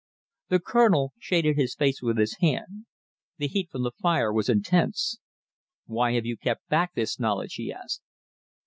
The Colonel shaded his face with his hand. The heat from the fire was intense. "Why have you kept back this knowledge?" he asked.